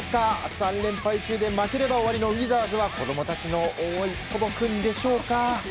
３連敗中で負ければ終わりのウィザーズは子供たちの思い届くんでしょうか。